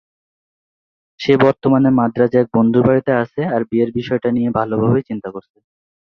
সে বর্তমানে মাদ্রাজে এক বন্ধুর বাড়িতে আছে আর বিয়ের বিষয়টা নিয়ে ভালোভাবেই চিন্তা করছে।